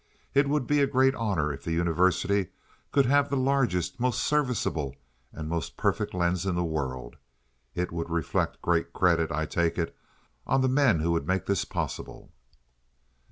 It would be a great honor if the University could have the largest, most serviceable, and most perfect lens in the world. It would reflect great credit, I take it, on the men who would make this possible."